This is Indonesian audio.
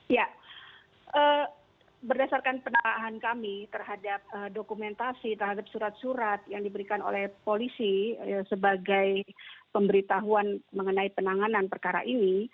ya berdasarkan penerahan kami terhadap dokumentasi terhadap surat surat yang diberikan oleh polisi sebagai pemberitahuan mengenai penanganan perkara ini